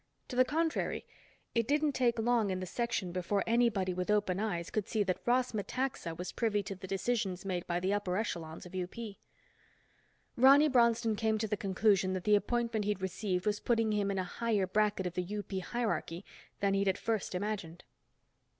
To the contrary, it didn't take long in the Section before anybody with open eyes could see that Ross Metaxa was privy to the decisions made by the upper echelons of UP. Ronny Bronston came to the conclusion that the appointment he'd received was putting him in a higher bracket of the UP hierarchy than he'd at first imagined.